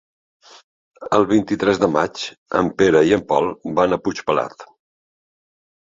El vint-i-tres de maig en Pere i en Pol van a Puigpelat.